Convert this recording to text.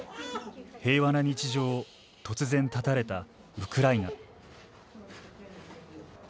平和な日常を突然絶たれたウクライナ。